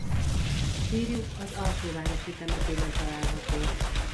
Sírjuk az Alsóvárosi temetőben található.